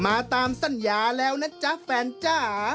มาตามสัญญาแล้วนะจ๊ะแฟนจ้า